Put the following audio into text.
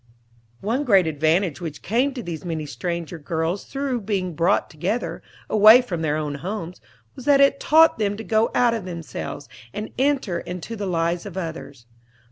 One great advantage which came to these many stranger girls through being brought together, away from their own homes, was that it taught them to go out of themselves, and enter into the lives of others.